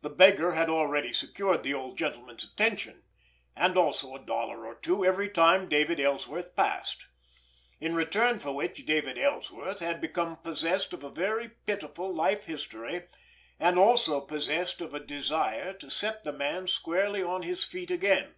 The beggar had already secured the old gentleman's attention, and also a dollar or two every time David Ellsworth passed; in return for which David Ellsworth had become possessed of a very pitiful life history, and also possessed of a desire to set the man squarely on his feet again.